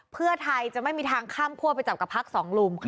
เพื่อไทยจะไม่มีทางข้ามคั่วไปจับกับพักสองลุม